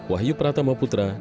wahyu pratama putra